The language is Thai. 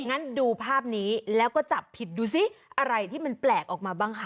งั้นดูภาพนี้แล้วก็จับผิดดูสิอะไรที่มันแปลกออกมาบ้างคะ